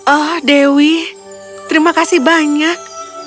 oh dewi terima kasih banyak